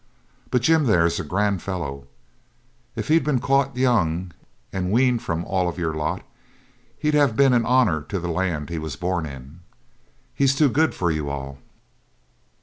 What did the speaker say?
But Jim there's a grand fellow; if he'd been caught young and weaned from all of your lot, he'd have been an honour to the land he was born in. He's too good for you all.'